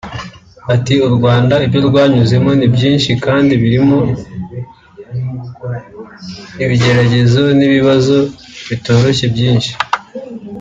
Ati ”U Rwanda ibyo rwanyuzemo ni byinshi kandi birimo ibigeragezo n’ibibazo bitoroshye byinshi